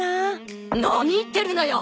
何言ってるなや！